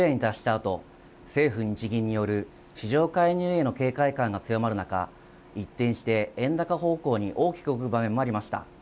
あと政府・日銀による市場介入への警戒感が強まる中、一転して円高方向に大きく動く場面もありました。